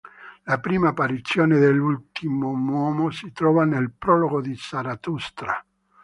La prima apparizione dell'ultimuomo si trova nel "prologo di Zarathustra".